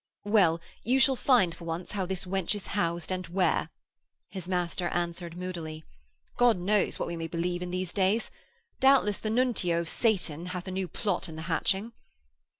'Well, you shall find for once how this wench is housed and where,' his master answered moodily. 'God knows what we may believe in these days. Doubtless the Nuntio of Satan hath a new plot in the hatching.'